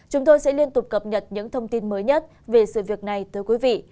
chúng tôi sẽ liên tục cập nhật những thông tin mới nhất về sự việc này tới quý vị